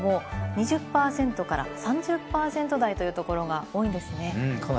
湿度を見てみましても、２０％から３０％台というところが多いんですね。